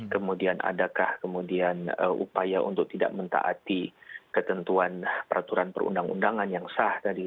kemudian adakah kemudian upaya untuk tidak mentaati ketentuan peraturan perundang undangan yang sah tadi